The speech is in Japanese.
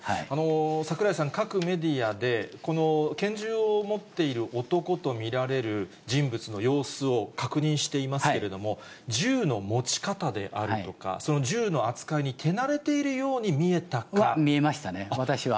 櫻井さん、各メディアでこの拳銃を持っている男と見られる人物の様子を確認していますけれども、銃の持ち方であるとか、その銃の扱いに手慣れているように見えたは、見えましたね、私は。